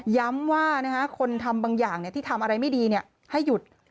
ย้ำว่าคนทำบางอย่างที่ทำอะไรไม่ดีให้หยุด